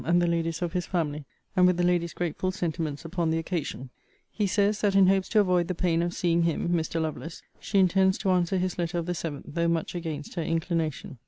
and the Ladies of his family; and with the Lady's grateful sentiments upon the occasion. He says, that in hopes to avoid the pain of seeing him, (Mr. Lovelace,) she intends to answer his letter of the 7th, though much against her inclination.